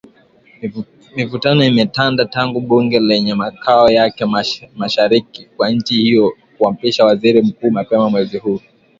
Mivutano imetanda tangu bunge lenye makao yake mashariki mwa nchi hiyo kumwapisha Waziri Mkuu mapema mwezi huu